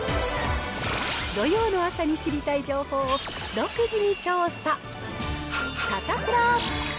土曜の朝に知りたい情報を独自に調査。